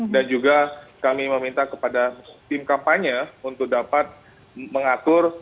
dan juga kami meminta kepada tim kampanye untuk dapat mengatur